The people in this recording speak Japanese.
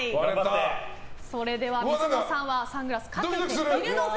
それではｍｉｓｏｎｏさんはサングラスをかけているのか。